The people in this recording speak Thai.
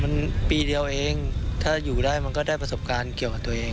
มันปีเดียวเองถ้าอยู่ได้มันก็ได้ประสบการณ์เกี่ยวกับตัวเอง